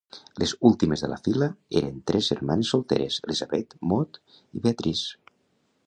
Les últimes de la fila eren tres germanes solteres: Elizabeth, Maude i Beatrice.